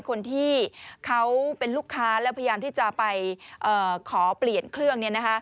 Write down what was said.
คนที่เขาเป็นลูกค้าแล้วพยายามที่จะไปขอเปลี่ยนเครื่อง